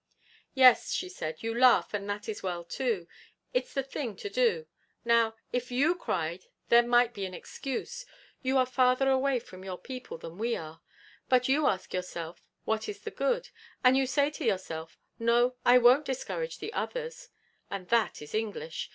'Yes,' she said, 'you laugh, and that is well, too. It's the thing to do. Now, if you cried there might be an excuse; you are farther away from your people than we are. But you ask yourself, What is the good? And you say to yourself, No, I won't discourage the others. And that is English.